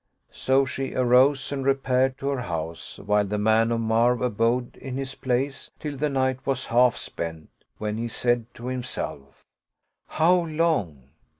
So she arose and repaired to her house, while the man of Marw abode in his place till the night was half spent, when he said to himself, "How long?